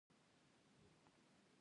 زردالو د افغانستان د شنو سیمو ښکلا ده.